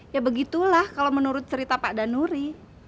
ya begitulah kalau menurut cerita pak danuri